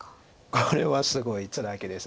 これはすごいツナギです。